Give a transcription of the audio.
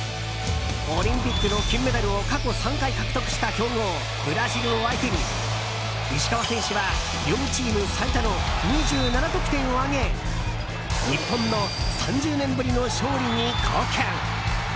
オリンピックの金メダルを過去３回獲得した強豪ブラジルを相手に石川選手は両チーム最多の２７得点を挙げ日本の３０年ぶりの勝利に貢献。